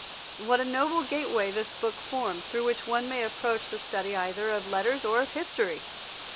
What a noble gateway this book forms through which one may approach the study either of letters or of history!